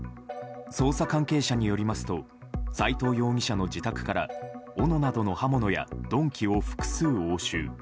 捜査関係者によりますと斎藤容疑者の自宅からおのなどの刃物や鈍器を複数押収。